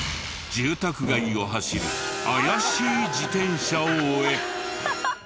住宅街を走る怪しい自転車を追え！